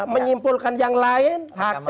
menyimpulkan yang lain